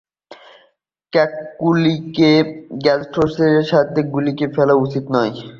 ক্যালকুলিকে গ্যাস্ট্রোলিথের সাথে গুলিয়ে ফেলা উচিত নয়।